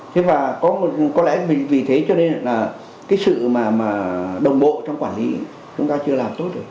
thế và có lẽ vì thế cho nên là cái sự mà đồng bộ trong quản lý chúng ta chưa làm tốt được